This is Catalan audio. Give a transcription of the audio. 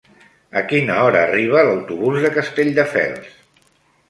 A quina hora arriba l'autobús de Castelldefels?